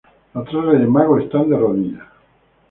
Los tres Reyes Magos están de rodillas.